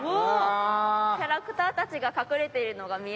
キャラクターたちが隠れているのが見えますかね？